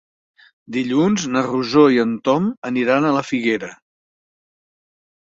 Dilluns na Rosó i en Tom aniran a la Figuera.